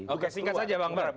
oke singkat saja bang baram